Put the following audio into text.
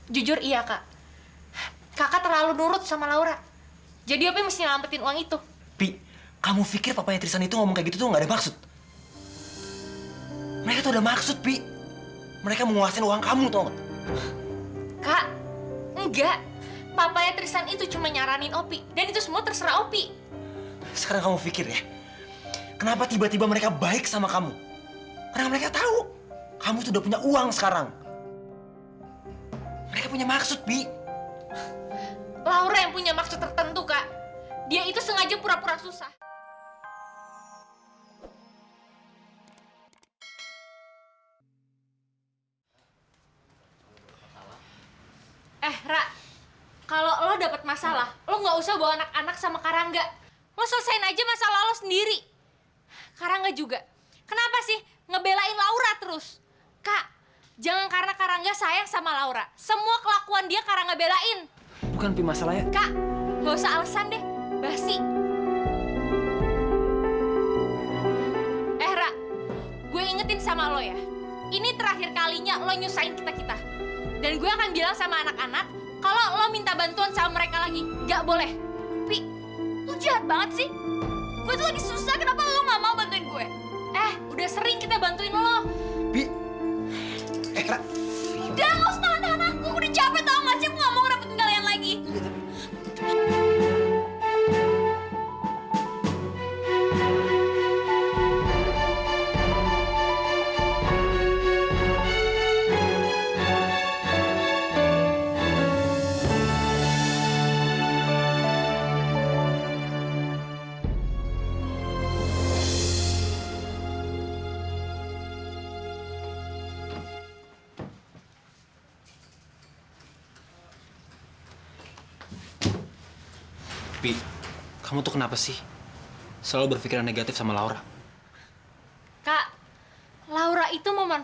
jangan lupa subscribe channel ini untuk dapat info terbaru dari kami